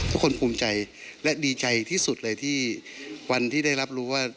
ภูมิใจและดีใจที่สุดเลยที่วันที่ได้รับรู้ว่า